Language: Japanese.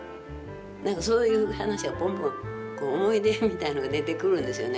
何かそういう話がポンポン思い出みたいのが出てくるんですよね。